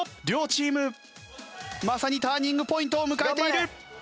両チームまさにターニングポイントを迎えている。